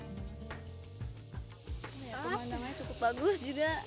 pemandangannya cukup bagus juga